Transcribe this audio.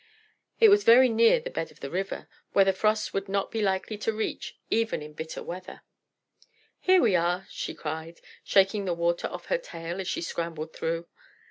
It was very near the bed of the river, where the frost would not be likely to reach even in bitter weather. "Here we are!" she cried, shaking the water off her tail as she scrambled through.